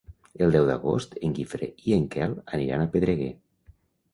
El deu d'agost en Guifré i en Quel aniran a Pedreguer.